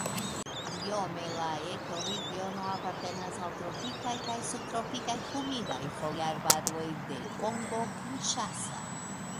Biome la ekoregiono apartenas al tropikaj kaj subtropikaj humidaj foliarbaroj de Kongo Kinŝasa.